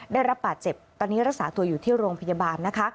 ได้รับบาดเจ็บตอนนี้รักษาตัวอยู่ที่โรงพยาบาลนะคะ